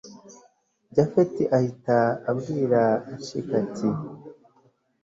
japhet ahita abwira erick ati